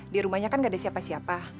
di rumahnya kan gak ada siapa siapa